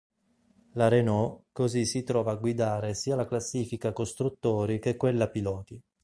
La Renault così si trova a guidare sia la classifica costruttori che quella piloti.